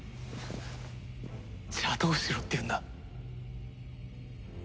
じゃあどうしろっていうんだ！